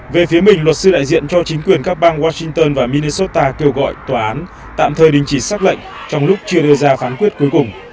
về phía mình luật sư đại diện cho chính quyền các bang washington và ministota kêu gọi tòa án tạm thời đình chỉ xác lệnh trong lúc chưa đưa ra phán quyết cuối cùng